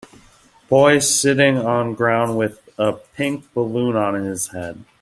boy sitting on ground with a pink balloon on his head.